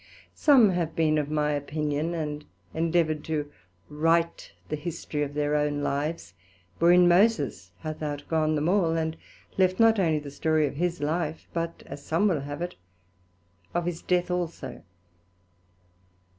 Some have been of my opinion, and endeavoured to write the History of their own lives; wherein Moses hath outgone them all, and left not onely the story of his life, but as some will have it, of his death also.